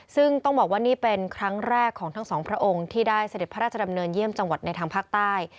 ซึ่งต้องบอกว่านี่เป็นครั้งแรกของทั้งสองพระองค์ที่ได้เสด็จพระราชดำเนินเยี่ยมจังหวัดในทางภาคใต้